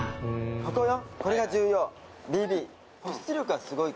ここよ。